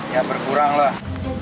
ya berkurang lah